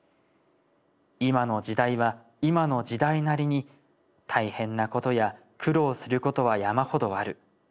今の時代は今の時代なりに大変なことや苦労することは山ほどある。